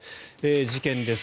事件です。